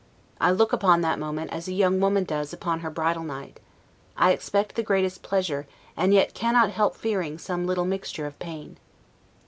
I look upon that moment as a young woman does upon her bridal night; I expect the greatest pleasure, and yet cannot help fearing some little mixture of pain.